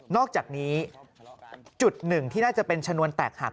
อกจากนี้จุดหนึ่งที่น่าจะเป็นชนวนแตกหัก